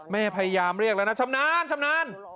พยายามเรียกแล้วนะชำนาญชำนาญ